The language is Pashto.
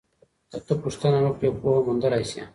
که ته پوښتنه وکړې پوهه موندلی سې.